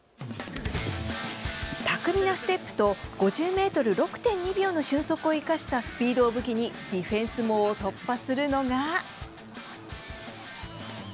巧みなステップと５０ｍ、６．２秒の俊足を生かしたスピードを武器にディフェンス網を突破するのが。